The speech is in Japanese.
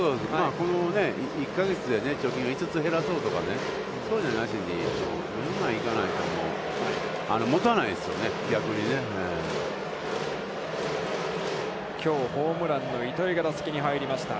この１か月で貯金を５つ減らそうとか、そうじゃなしに目の前行かないと、もうもたないですよね、逆にね。きょうホームランの糸井が打席に入りました。